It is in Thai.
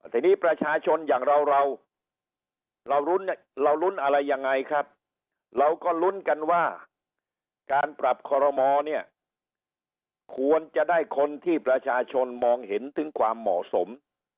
ทีนี้ประชาชนอย่างเราเรารุ้นอะไรยังไงครับเราก็ลุ้นกันว่าการปรับคอรมอเนี่ยควรจะได้คนที่ประชาชนมองเห็นถึงความเหมาะสม